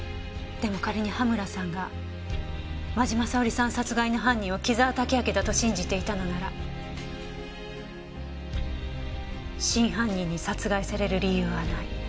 でも仮に羽村さんが真嶋沙織さん殺害の犯人を紀沢武明だと信じていたのなら真犯人に殺害される理由はない。